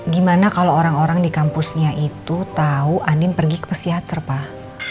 gimana kalo orang orang di kampusnya itu tau andien pergi ke psikiater pak